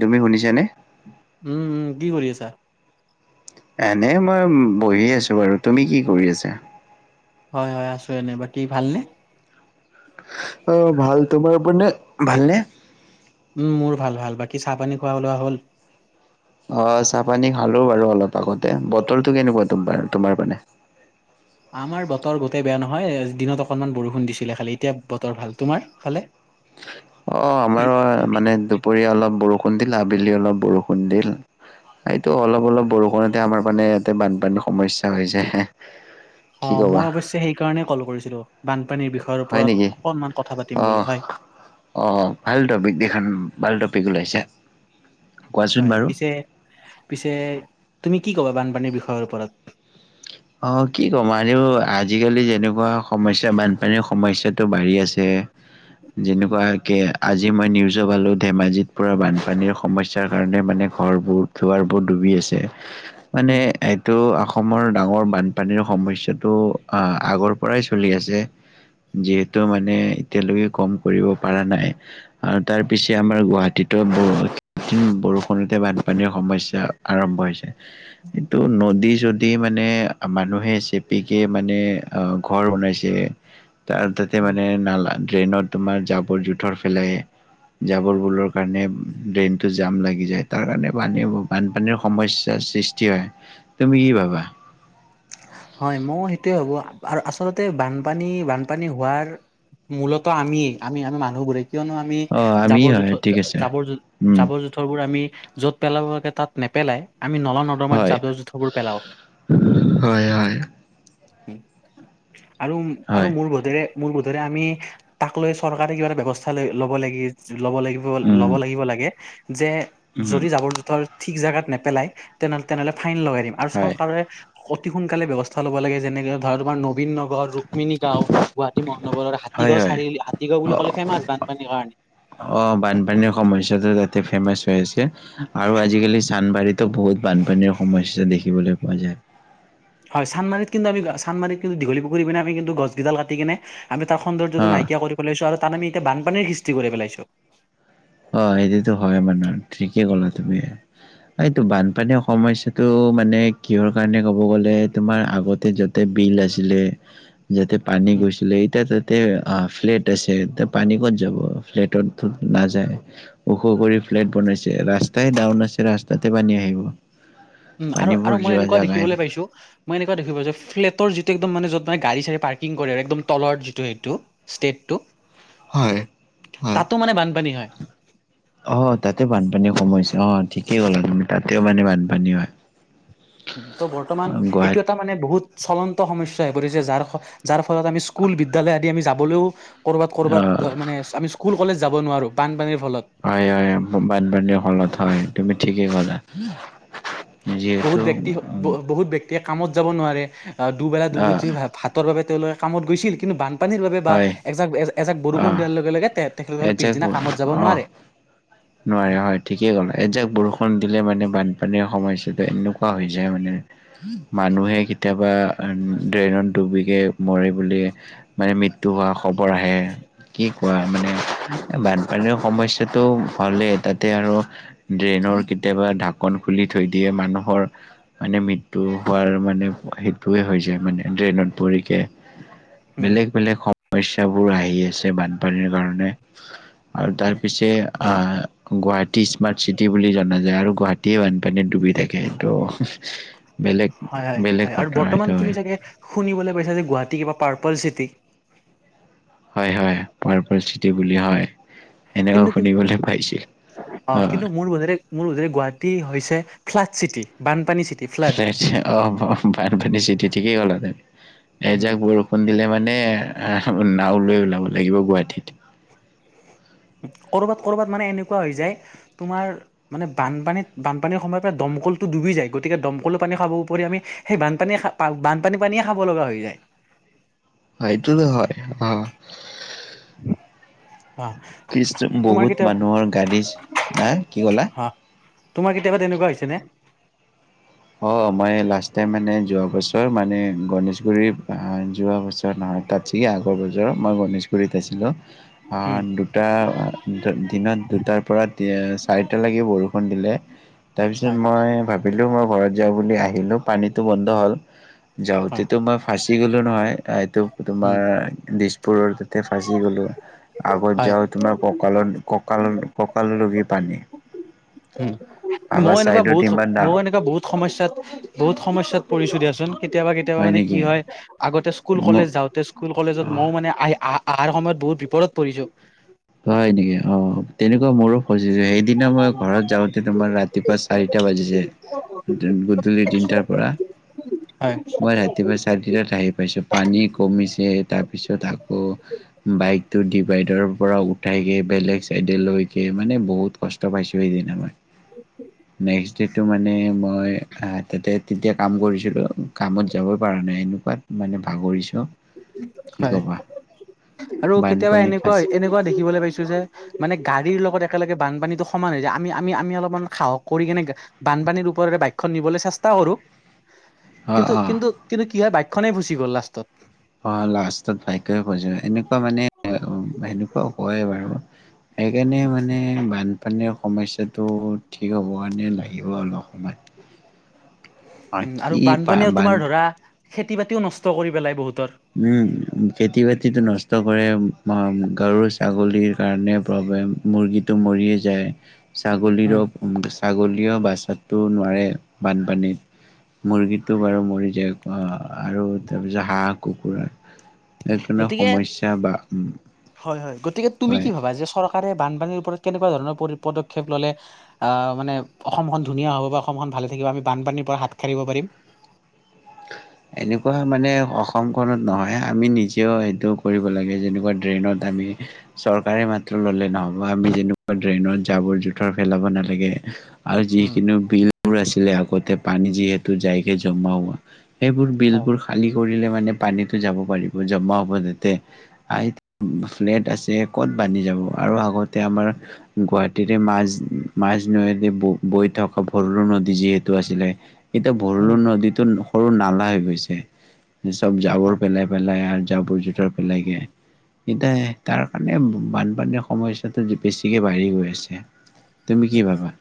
তুমি শুনিছানে? উম, উম, কি কৰি আছা? এনে মই বহি আছো বাৰু তুমি কি কৰি আছা? হয় - হয় আছো এনে বাকী ভালনে? আহ ভাল তোমাৰ ওপ নে ভালনে। উম, মোৰ ভাল - ভাল বাকী চাহ পানী খোৱা ওলোৱা হ'ল। অ, চাহ পানী খালো বাৰু অলপ আগতে বটৰটো কেনেকুৱা তোমাৰ পীনে? হয়। আমাৰ বতৰ গোটেই বেয়া নহয় দিনত অকণমান বৰষুণ দিছিলে খালি এতিয়া বতৰ ভাল তোমাৰ ফালে। অ, আমাৰো মানে দুপৰীয়া অলপ বৰষুণ দিল আবেলি অলপ বৰষুণ দিল। এইটো অলপ - অলপ বৰষুণতে আমাৰ মানে ইয়াতে বানপানীৰ সমস্যা হৈ যায়। অ, কি ক'বা। মই অৱশ্যে সেইকাৰণে কল কৰিছিলো। বান পানী বিষয়ৰ হয় ওপৰত নেকি অকণমান কথা পাটিম বুলি অ'। হয়। অ, ভাল টপিক দেখান ভাল টপিক ওলাইছে। কোৱাচোন হয় বাৰু। পিছে - পিছে তুমি কি ক'বা বানপানীৰ বিষয়ৰ ওপৰত। অ, কি কম আৰুও আজিকালি যেনেকুৱা সমস্যা বানপানীৰ সমস্যা তটো বাঢ়ি আছে। যেনেকুৱাকে আজি মই নিউজো পালো ধেমাজিত পুৰা বানপানীৰ সমস্যাৰ কাৰণে মানে ঘৰবোৰ দুৱাৰবোৰ অ, মানে এইটো অসমৰ ডাঙৰ বানপানীৰ সমস্যাটো আহ আগৰ পৰাই চলি আছে। যিহেতু মানে এতিয়ালৈকে কম কৰিব পৰা নাই আৰু তাৰ পিছে আমাৰ গুৱাহাটীত ত'বৰষুণ বানপানীৰ সমস্যা আৰম্ভ হৈছে এইটো নদী যদি মানে মানুহে চেপিকে মানে অ, ঘৰ বনাইছে। তাৰ তাতে মানে নালা ড্ৰেইনত তোমাৰ জাবৰ জোথৰ ফেলাই। জাবৰ বোৰৰ কাৰণে ড্ৰেইনতটো জাম লাগি যায় তাৰ কাৰণে বানপানীৰ সমস্যা। সৃষ্টি হয় তুমি কি ভাবা? হয় মই সেইটোৱে ভাবো আৰু আচলতে বানপানী - বানপানী হোৱাৰ মূলত আমিয়ে আমি মানুহবোৰে কিয়নো আমি অ আমি জাবৰ হয় জোথৰ ঠিক আছে জাবৰ জ উম জাবৰ জোথৰ বোৰ আমি য'ত পেলাব লাগে তাত নেপেলাই আমি নলা নৰদমাত হয় জাৱযৰ জোথবোৰ পেলাও। হয় - হয়। আৰু - আৰু হয় মোৰ বুধেৰে মল বোধৰে আমি তাক লৈ চৰকাৰে কিবা এটা বেৱস্থা লৈ লব লাগি। ল'ব লাগিব - উম ল'ব লাগিব লাগে যে উম যদি জাবৰ জোথৰ ঠিক জেগাত নেপেলাই তেনেহলে তেনেহ'লে ফাইন লগাই দিম আৰু হয় চৰকাৰে অতি সোনকালে ব্যৱস্থা ল'ব লাগে যেনেকে ধৰ আমাৰ নদী ন ৰ ৰুক্মিণী গাও গুৱাহাটী মহানগৰৰ হয় হাতীগাও হয় চাৰআল হাতীগাও বুলি অ ক'লে ফেমাচ বানপানীৰ কাৰণে। অ, বানপানীৰ সমস্যাটো তাতে ফেমাচ হৈ আছে। আৰু আজিকালি চানবাৰীতো বহুত বানপানীৰ সমস্যা দেখিবলৈ পোৱা যায়। হয় চানমাৰিত কিন্তু মি চানদমাৰিত কিন্তু দীঘলীুুপুখুৰী পিনে আমি গছকিইডাল কাটি কিনে আমি তাৰ সৌন্দৰ্যটো অ', নাইকিয়া কৰি পেলাইছো আৰু তাত আমি এতিয়া বানপানীৰ সৃষ্টি কৰি পেলাইছো। অ, সেইটোতো হয় মানে ঠিকেই ক'লা তুমি এইটো বানপানীৰ সমস্যাটো। মানে কিহৰ কাৰনে ক'ব গ'লে তুমাৰ আগতে যতে বিল আছিলে। যাতে পানী গচিলেই ত তে অ, ফ্লেট আছে তে পানী ক'ত যাব ফ্লেটততো নাযায়। ওখ কৰি ফ্লেট বনাইছে ৰাস্তাই ডাউন আছে ৰাস্তাতে পানী আহিব। উম, পানীবোৰ আৰু মই যোৱা এনেকুৱা জাগাই দেখিবলৈ নাই। পাইছো মই এনেকুৱা দেখিব পাইছ যে ফ্লেটৰ যি একদম মানে য'ত গাড়ী চাৰি পাৰকিং কৰে আৰু একদম তলৰ যিটো ষ্টেপ টো হয়, হয়। তাতো মানে বানপানী হয়। অ, তাতে বানপানী সমস্যা অ, ঠিকেই ক'লা তুমি তাতেও মানে বানপানী হয়। ত বৰ্তমান এইটো গুৱাহাট এটা মানে বহুত চলন্ত সমস্যা হৈ পৰিছে যাৰ ফল যাৰ ফলত আমি স্কুল বিদ্যালয় আদি আমি যাবলৈও ক'ৰবাত ক'ৰবাত অ মানে আমি স্কুল কলেজ যাব নোৱাৰোঁ বানপানীৰ ফলত হয় হয় বানপানীৰ ফলত হয় তুমি ঠিকেই ক'লা বহুত যিহেতু ব্যক্তিসত বহুত ব্যক্তিয়ে কামত যাব নোৱাৰে অ দুবেলা অ দুমুধি ভাতৰ বাবে তেওঁলোকে কামত গৈছিল কিন্তু বান পানীৰ বাবে বা হয় এজাক এজাক অ বৰষুণ দিয়াৰ লগে লগে তেখেতসকলে এজাক পিছদিনা কামত যাব অ নোৱাৰে। নোৱাৰে হয় ঠিকেই কম এই যে বৰষুণ দিলে মানে বানপানীৰ সমস্যা তাতে এনেকুৱা হৈ যায় মানে মানুহে কেতিয়াবা ড্ৰেইনত ডুবি গে মৰে বুলি মানে মৃত্যু হোৱা খবৰ আহে। কি কোৱা মানে বানপানীৰ সমস্যাটো হ'লে তাতে আৰু ড্ৰেইনৰ কেতিয়াবা ঢাকন খুলি থৈ দিয়ে মানুহৰ মানে মৃত্যু হোৱাৰ মানে সেইটোৱে হৈছে মানে ড্ৰেইনত পৰিকে উম বেলেগ বেলেগ সমস্যাবোৰ আহি আছে বান্ধ পানীৰ কাৰণে আৰু তাৰপিছে অ গুৱাহাটী স্মাৰ্ট চিটি বুলি জনা যায় আৰু গুৱাহাটীয়ে বানপানীত ডুবি থাকে তো হয় হয় হয় আৰু বৰ্তমান তুমি চাগে শুনিবলৈ পাইছা যে গুৱাহাটী কিবা পাৰ্পল চিটি। হয় হয় পাৰপল চিট এতি বুলিয়া হয় সেনেকা কিন্তু কিন্তু শুনিবলৈ পাইছিল, অ। কিন্তু মোৰ বোধেৰে মোৰ মতে গুৱাহাটী হৈছে ফ্লাট চিটি বান চেচে অ বানপানী চিটি ঠিকেই হলহেতেন উম, এজাক বৰষুণ দিলে মানে মানে নাওলৈ ওলাব লাগিব গুৱাহাটীত। কৰবাত কৰবাত মানে এনেকুৱা হৈ যায় তোমাৰ মানে বানপানীত বানপানীৰ সময়ৰ পৰা দম কলটো ডুবি যায় গতিকে দমকলৰ পানী খাব উপৰি আমি সেই বানপানীয়ে খা বান বানপানীৰ পানীয়ে খাব লগা হৈ যায়। সেইটোতো হয় অ [unintelligible] [unintelligible] ইষ্ট তোমাৰ বহুত কেতিয়াবা মানুহৰ গাড়ীছ, হা কি ক'লা? অ তোমাৰ কেতিয়াবা তেনেকুৱা হৈছে নে? অ মই লাষ্ট টাইম মানে যোৱা বছৰ মানে গণেশগুৰি অ যোৱা বছৰ না তাত যি আগৰ বজাৰ মই গণেশ দুইটা ছিলো অ উম দুটা দিনত দুটাৰ পৰা তি চাৰিটালৈ কি বৰষুণ দিলে তাৰপিছত হয় মই ভাবিলোঁ মই ঘৰত যাওঁ বুলি আহিলোঁ পানীটো বন্ধ হ'ল। হয় যাওঁতেটো মই ফাঁচি গ'লো নহয় এইটো উম তোমাৰ দিছপুৰ ফাঁচি গ'লো আগত হয় যাওঁ তোমাৰ ককালত কঁকাল কঁকাললগি পানী। উম ভাবা মই এনেকুৱা চাইডত বহুত ইমান মই ডাঙৰ এনেকুৱা বহুত সমস্যাত বহুত সমস্যাত পৰিচয় দিয়াচোন। কেতিয়াবা কেতিয়াবা মানে কি হয় আগতে স্কুল মোক কলেজ যাওঁতে স্কুল কলেজত ময়ো মানে আহি আহ আহাৰ সময়ত বহুত বিপদত পঢ়িছোঁ। হয় নেকি অ তেনেক মোৰো ফচিছে সেইদিনা মই ঘৰত যাওঁতে তোমাৰ ৰাতিপুৱা চাৰিটা বাজিছে। তেন গধূলি তিনটাৰ পৰা হয় মই ৰাতিপুৱা চাৰেতিনটা আহিম। পিছত পানী কমিছে তাৰপিছত আকৌ বাইকটো ডিভাইডৰ পৰা উঠাই গে বেলেগ চাইডে লৈগে মানে বহুত কষ্ট পাইছো সেইদিনা মই। নেক্সদেটো মানে মই অ তাতে তেতিয়া কাম কৰিছিলোঁ কামত যাব পাৰা মানে এনেকুৱাত মানে ভাগৰিছোঁ। কি হয় ক'বা আৰু কেতিয়াবা বানপানীত এনেকুৱা ফাঁচি এনেকুৱা দেখিবলৈ পাইছো যে মানে গাড়ীৰ লগত একেলগে বানপানীতটো সমান হৈ যায় আমি আমি আমি অলপমান সাহস কৰি কেনে বানপানীৰ ওপৰেৰে বাকখন নিবলৈ চেষ্টা কৰো অ', কিন্তু অ'। কিন্তু কিন্তু কি হয় বাইকখনেই ফুচি গ'ল লাষ্টত অ লাষ্টত ভাগ্য বজো এনেকুৱা মানে সেনেকুৱাও হয় বাৰু সেইকাৰণে মানে বানপানীৰ সমস্যাটো ঠিক হ'ব কাৰণে লাগিব অলপ সময় উম আৰু বাকী পা- বানপানীয়েও বান তোমাৰ ধৰা খেতি বাতিও নষ্ট কৰি পেলাই বহুতত উম খেতি বাতিতো নষ্ট কৰে গৰু ছাগলীৰ কাৰণে মুৰ্গীটো মৰিয়ে যায় ছাগলীৰো উম ছাগলীয় বাচাতটো নোৱাৰে বানপানীত মুৰ্গীটো বাৰু মৰি যায় আৰু তাৰপিছত হাঁহ কুকুৰা সেইকাৰণে গতিকে সমস্যা বা উম, হয় হয় গতিকে তুমি কি হয় ভাবা যে চৰকাৰে বানপানীৰ ওপৰত কেনেকুৱা ধৰণৰ পদক্ষেপ ললে আহ মানে অসমখন ধুনীয়া হ'ব বা অসমখন ভালে থাকিব আমি বানপানীৰ পৰা হাত সাৰিব পাৰিম [unintelligible] এনেকুৱা মানে অসমখনত নহয় আমি নিজেও সেইটো কৰিব লাগে যেনেকুৱা ড্ৰেইনত আমি চৰকাৰে মাত্ৰ ললে নহ'ব আমি যেনেকুৱা ড্ৰেইনত জাবৰ জোথৰ পেলাব নালাগে আৰু উম যিকিনো বিলবোৰ আছিলে আগতে পানী যিহেতু যাইকে জমা হোৱা এইবোৰ বিল হয় বোৰ খালী কৰিলে ান ক'ত আৰু আগতে আমাৰ গুৱাহাটীতে মাজ মাছ ন বৈ থকা ভ অৰু নদী যিহেতু আছিলে এতিয়া ভৰলো উম নদীতো সৰু নালা হৈ গৈছে চব জাবৰ হয় পেলাই পেলাই আৰু জাবোৰ জোতৰ পেলাইগে এতিয়া তাৰ কাৰণে বানপানীৰ সমস্যাটো বেছিকে বাঢ়ি গৈ আছে তুমি কি ভাবা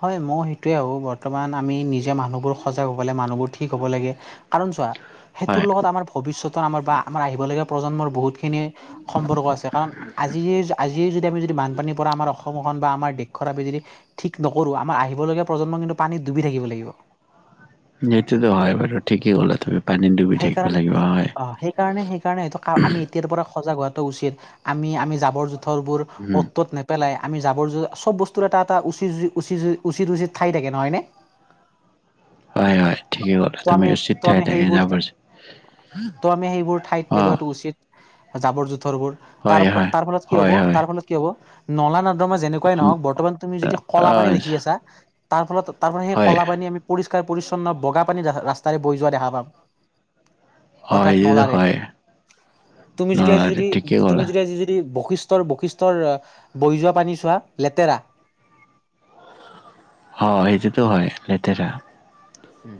হয় মই সেইটোৱে আহো বৰ্তমান আমি নিজে মানুহবোৰ সজাগ হ'ব লাগে মানুহবোৰ ঠিক হ'ব লাগে কাৰণ চোৱা সেইটোৰ হয় লগত আমাৰ ভৱিষ্যতৰ আমাৰ বা আমাৰ আহিব লগীয়া প্ৰজন্মৰ বহুতখিনি সম্পৰ্ক আছে কাৰণ আজি আজি যি যদি আমি যদি বানপানীৰ পৰা আমাৰ অসমখন বা আমাৰ দেশখনত আমি যদি ঠিক নকৰোঁ আমাৰ আহিবলগীয়া প্ৰজন্ম কিন্তু পানীত ডুবি থাকিব লাগিব নিটোতো হয় বাৰু ঠিকেই হল তুমি পানীত ডুবি থাকিব লাগিব সেইকাৰণে হয়। অ সেইকাৰণে সেইকাৰণে হয়টো আমি এতিয়াৰ পৰা সজাগ হোৱাটো উচিত আমি আমি জাবৰ জোঁথৰবোৰ উম অত তত নেপেলাই আমি যাবৰ চব বস্তুৰ এটা এটা উচিচি উচিত উচিত ঠাই থাকে নহনে হয় হয় ঠিকেই ক'লা তুমি উচিত ত থাকে আমি থাকে সেইবোৰ যাব পাৰছ ত' আমি সেইবোৰ ঠাইত পেলোৱাটো উচিত জাবৰ যো হয় হয়। তাৰ ফলত কি হ'ব হয় হয় তাৰ ফলত কি হ'ব নলা ন মাৰ যেনেকুৱাই নহওক বৰ্তমান তুমি যদি কলা অ' পানী দেখিছ তাৰ ফলত তাৰ সেই হয় কল পান আমি পৰিষ্ পৰিচ্ছন্ন বগা পানী ৰাস্তাৰে বৈ যোৱা দেখা পাম হয় অৰ্থাৎ এইটোতো নলাৰে হয়। তুমি যদি আজি নলাৰে যদি ঠিকেই ক'লা। তুমি যদি আজি যদি বশিষ্টৰ বৈশিষ্টৰ বৈ যোৱা পানী চোৱা লেতেৰা অ সজো হয় লেতেৰা উম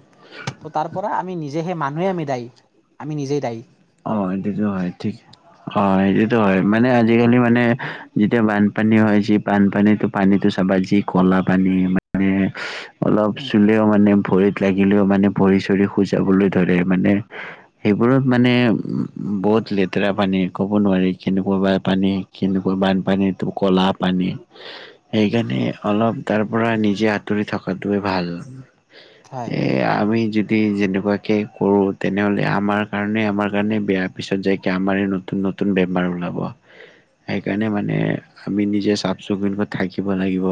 ত তাৰ পৰা আমি নিজে সেই মানুহে আমি দায় আমি নিজেই দায়ী অ এইটোতো হয় ঠিকেই অ সেইটোতো হয় মানে আজিকালি মানে যেতিয়া বানপানী হয় যি বানপানী পানীতো চাব যি কলা পানী মানে অলপ উম, চুলেও মানে ভৰিত লাগিলেও মানে ভৰি চৰি খোজ যাবলৈ ধৰে মানে সেইবোৰত মানে বহুত লেতেৰা পানী ক'ব নোৱাৰি কেনেকুৱা বানপানী কেনেকুৱা বানপানী কলাপ পানী সেইকাৰণে অলপ তাৰ পৰা নিজে আঁতৰি থকাতোৱে ভাল হয় এ আমি যদি যেনেকুৱাকে কৰো তেনেহলে আমাৰ কাৰণে আমাৰ কাৰণে বেয়াৰ পিছত যাইক আমাৰে নতুন নতুন বেমাৰ ওলাব সেইকাৰণে মানে আমি নিজে চাফ চিকুণক থাকিব লাগিব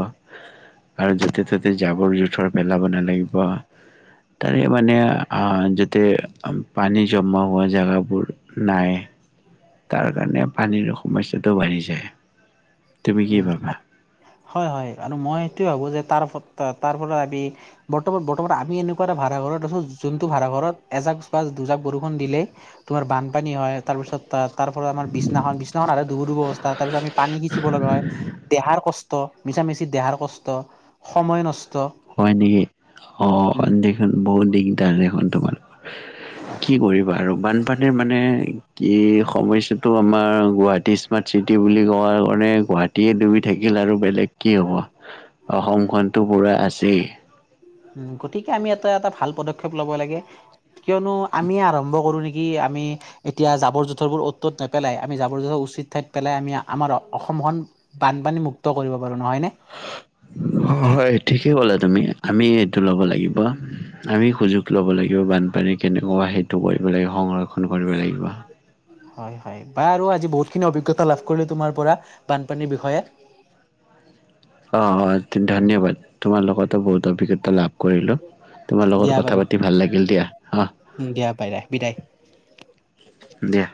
আৰু য'তে ত'তে জাবৰ জোথৰ পেলাব নালাগিব তাৰে মানে আ যতে পানী জমা হোৱা জেগাবোৰ নাই তাৰ কাৰণে পানীৰ সমস্যাটো বাঢ়ি যায় তুমি কি উম ভাবা হয় হয় আৰু মই এইটোয়ে ভাবো যে াৰ তাৰ পৰা আমি বৰ্ত বৰ্তমান আমি এনেকুৱা এটা ভাড়া ঘৰত আছো যোনটো ভাড়া ঘৰত এ াক বা দুজাক বৰষুণ দিলে তোমাৰ বানপানী হয় তাৰপিছত ত তাৰ পৰাত আমাৰ বিনাখন বিনাখন আ দু দৰ অৱস্থা তাৰ পিছ আমি পানী সিচিব লগা হয় দেহাৰ কষ্ট মিছা মিছি দেহাৰ কষ্ট সময় নষ্ট হয় নেকি অ উম দেখোন বহুত দিগদাৰ দেখোন তোমালোকৰ হয় কি কৰিবা আৰু মান মানে মানে কি সমস্যাটো আমাৰ গুৱাহাটী স্মাৰ্ট চিটি বুলি কোৱাৰ কাৰণে গুৱাহাটীয়ে ডুবি থাকিল আৰু বেলেগ কি হ'ব অসমখনতো পুৰা আছেই উ গতিকে আমি এটা এটা ভাল পদক্ষেপ লব লাগে কিয়নো আমি আৰম্ভ কৰো নেকি কি আমি এতিয়া জাবৰ জোঁথৰোৰ অত'ত নেপেলাই আমি জাবৰ জোঁথৰ উচিত ঠাইত পেলাই আমি আমাৰ বানপানী মুক্ত কৰিব পাৰো নহয় ন উ হয় হয় ঠিকে ক'লা তুমি আমি এইটো ল'ব লাগিব আমি সুযোগ লব লাগিব বানপানী কেনেকুৱা সেইটো কৰিব লাগিব সংৰক্ষণ কৰিব লাগিব হয় হয় বা আৰু আজি বহুতখিনি অভিজ্ঞতা লাভ কৰিলো তোমাৰ পৰা বানপানীৰ বিষয়ে অ অ উম, ধন্যবাদ তোমাৰ লগতো উম, বহুত অভিজ্ঞতা লাভ কৰিলো তোমাৰ দিয়া লগত বাৰু কথা পাতি ভাল লাগিল দিয়া অ পাই দে বিদায় দিয়া